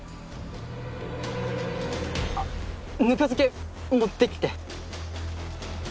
あっぬか漬け持ってきて。